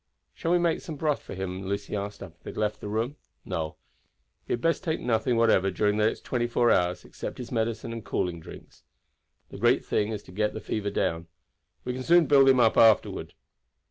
"Shall we make some broth for him?" Lucy asked after they had left the room. "No; he had best take nothing whatever during the next twenty four hours except his medicine and cooling drinks. The great thing is to get down the fever. We can soon build him up afterward."